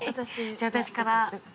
じゃあ私から。